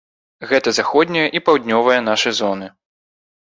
Гэта заходняя і паўднёвая нашы зоны.